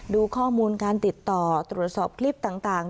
ดูข้อมูลการติดต่อตรวจสอบคลิปต่าง